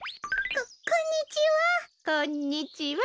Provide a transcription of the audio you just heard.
ここんにちは。